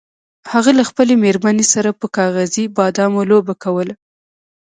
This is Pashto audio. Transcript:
هغه له خپلې میرمنې سره پر کاغذي بادامو لوبه کوله.